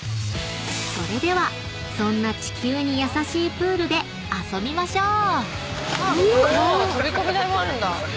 ［それではそんな地球に優しいプールで遊びましょう！］